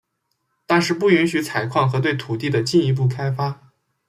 但是不允许采矿和对土地的进一步开发。